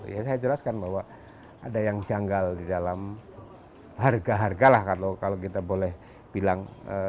ya saya jelaskan bahwa ada yang janggal di dalam harga harga lah kalau kita boleh bilang